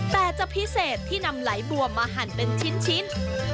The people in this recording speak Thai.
แต่จะพิเศษที่นำไหลบัวมาหั่นเป็นชิ้น